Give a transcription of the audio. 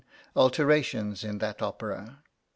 Alterations in that opera.